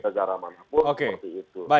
negara manapun seperti itu